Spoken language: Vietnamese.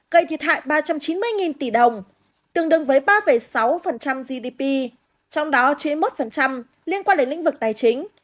gây thiệt hại ba trăm chín mươi tỷ đồng tương đương với ba sáu gdp trong đó chín mươi một liên quan đến lĩnh vực tài chính